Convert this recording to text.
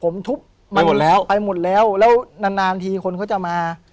ผมทุบไปหมดแล้วไปหมดแล้วแล้วนานนานทีคนเขาจะมา